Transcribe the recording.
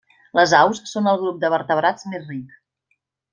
Les aus són el grup de vertebrats més ric.